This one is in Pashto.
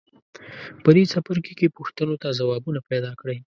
په دې څپرکي کې پوښتنو ته ځوابونه پیداکړئ.